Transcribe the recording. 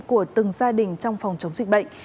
của từng gia đình trong phòng chống dịch bệnh